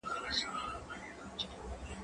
زه اجازه لرم چي کالي وپرېولم؟!